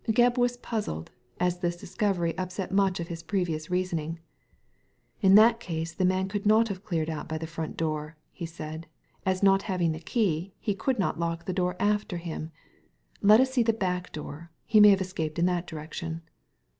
Gebb was puzzled, as this discovery upset much of his previous reasoning. " In that case the man could not have cleared out by the front," he said, "as not having the key he could not lock the door after him. Let us see the back door ; he may have escaped in that direction."